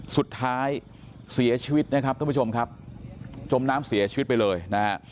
สุดท้ายเสียชีวิตนะครับท่านผู้ชมครับจมน้ำเสียชีวิตไปเลยนะฮะ